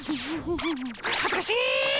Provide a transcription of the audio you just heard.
はずかしっ！